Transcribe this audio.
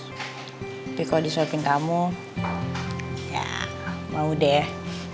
tapi kalau di shopping kamu ya mau deh